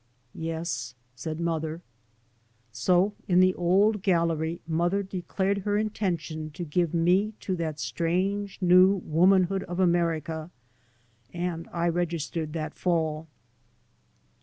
" Yes," said mother. So, in the old gallery mother declared her intention to give me to that strange new womanhood of America, and I registered that fall.